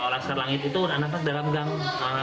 laskar langit itu anak dalam gang